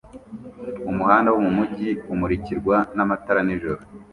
Umuhanda wo mumujyi umurikirwa n'amatara nijoro